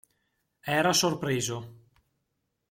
Era sorpreso.